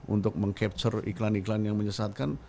untuk mengcapture iklan iklan yang menyesatkan